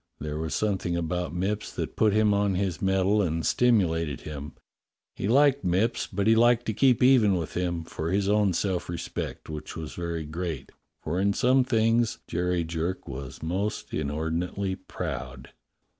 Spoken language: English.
There was something about Mipps that put him on his mettle and stimulated him. He liked Mipps, but he liked to keep even with him, for his own self respect, which was very great, for in some things Jerry Jerk was most inordinately proud.